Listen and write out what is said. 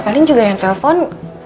paling juga yang telepon